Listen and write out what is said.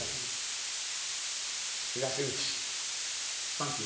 サンキュ。